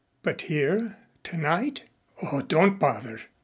"But here tonight ?" "Oh, don't bother.